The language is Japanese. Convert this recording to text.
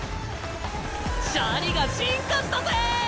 チャリが進化したぜ！